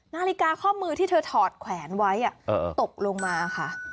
นาฬิกาข้อมือที่เธอถอดแขวนไว้ตกลงมาค่ะ